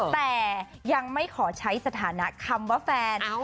แต่ยังไม่ขอใช้สถานะคำว่าแฟน